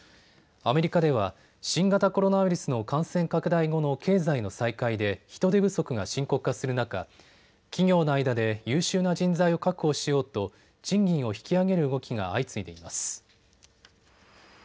アメリカでは新型コロナウイルスの感染拡大後の経済の再開で人手不足が深刻化する中、企業の間で優秀な人材を確保しようと賃金を引き上げる動きが相次いでいます。